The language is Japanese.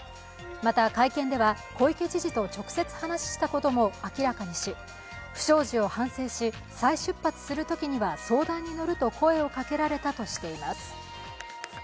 また、会見では小池知事と直接話をしたことも明らかにし不祥事を反省し、再出発するときには相談に乗ると声をかけられたとしています。